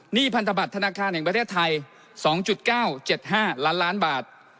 พันธบัตรธนาคารแห่งประเทศไทย๒๙๗๕ล้านล้านบาท